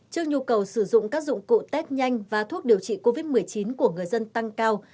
trước nhu cầu sử dụng các dụng cụ test nhanh và thuốc điều trị covid một mươi chín của người dân tăng cao